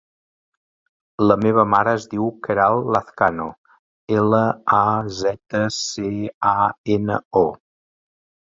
La meva mare es diu Queralt Lazcano: ela, a, zeta, ce, a, ena, o.